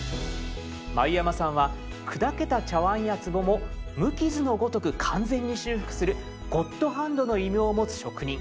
繭山さんは砕けた茶碗やつぼも無傷のごとく完全に修復する「ゴッドハンド」の異名を持つ職人。